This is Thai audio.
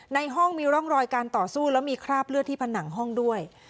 ในห้องมีร่องรอยการต่อสู้แล้วมีคราบเลือดที่ผนังห้องด้วย